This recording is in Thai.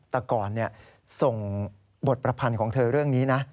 แต่ก่อนส่งบทประพันธ์ของเธอเรื่องนี้นะ